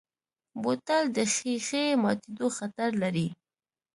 بوتل د ښیښې ماتیدو خطر لري.